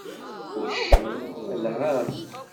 Uccen: Anεam.